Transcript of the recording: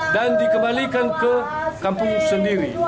dan dikembalikan ke kampung sendiri